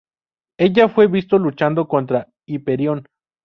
Ella fue visto luchando contra Hyperion.